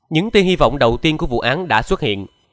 những tin hy vọng đầu tiên của vụ án